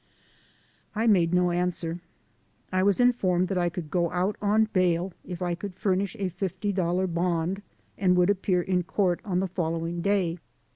I made no answer. I was informed that I could go out on bail if I could furnish a $50 bond and would appear in court on the following day.